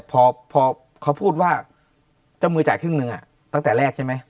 พอเขาพูดว่าเจ้ามือจ่ายครึ่งหนึ่งตั้งแต่แรกใช่ไหม